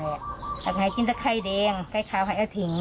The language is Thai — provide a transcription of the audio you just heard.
ต้องการให้กินเสื้อสีแดงให้เราเอาเนี้ยซ้วย